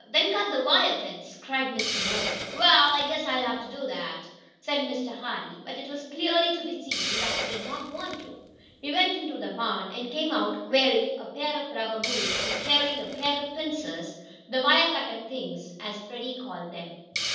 "Then cut the wire fence!" cried Mr. Murphy. "Wa'al, I I guess I'll have to," said Mr. Hardee, but it was clearly to be seen that he did not want to. He went into the barn, and came out wearing a pair of rubber boots, and carrying a pair of pincers the "wire cutting things," as Freddie called them.